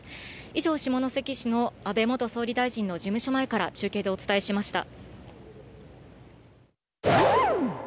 以上、下関市の安倍元総理大臣の事務所前から中継でお伝えしました。